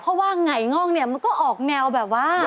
เพราะว่าไงง่องเนี่ยมันก็ออกแนวแบบว่า